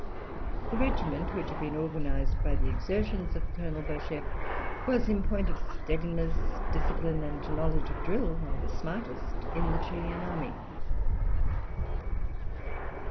The regiment, which had been organized by the exertions of Colonel Beauchef, was in point of steadiness, discipline, and knowledge of drill, one of the smartest in the Chilian army.